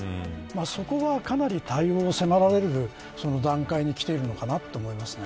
そこが、かなり対応を迫られる段階にきているのかなと思いますね。